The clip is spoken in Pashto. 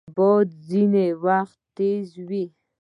باد ځینې وخت تیز وي